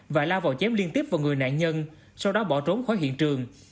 và la vào chém liên tiếp vào người nạn nhân sau đó bỏ trốn khỏi hiện trường